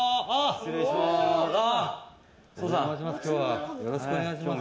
失礼します。